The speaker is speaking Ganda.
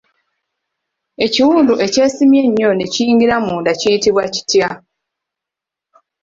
Ekiwundu ekyesimye ennyo ne kiyingira munda kiyitibwa kitya?